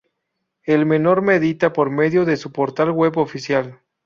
En menor medida por medio de su portal web oficial.